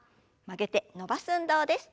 曲げて伸ばす運動です。